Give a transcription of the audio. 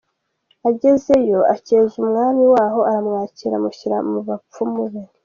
Agezeyo acyeza umwami waho, aramwakira, amushyira mu bapfumu be.